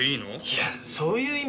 いやそういう意味じゃ。